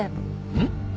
うん？